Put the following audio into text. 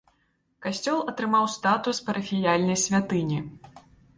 Касцёл атрымаў статус парафіяльнай святыні.